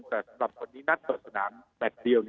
แต่สำหรับคนนี้นัดเปิดสนามแปลงไว้เดียว